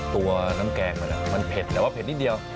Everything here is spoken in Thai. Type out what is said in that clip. ตัวน้ำแกงมันเผ็ดแต่ว่าเผ็ดนิดเดียว